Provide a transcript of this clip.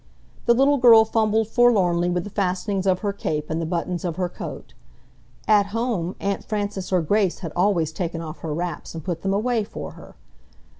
The little girl fumbled forlornly with the fastenings of her cape and the buttons of her coat. At home, Aunt Frances or Grace had always taken off her wraps and put them away for her.